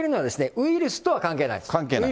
ウイルスとは関係ない。